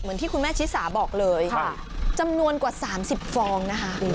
ที่คุณแม่ชิสาบอกเลยจำนวนกว่า๓๐ฟองนะคะ